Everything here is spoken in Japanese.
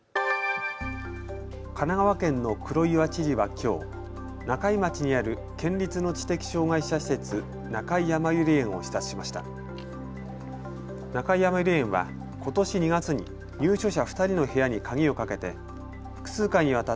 神奈川県の黒岩知事はきょう、中井町にある県立の知的障害者施設、中井やまゆり園を視察しました。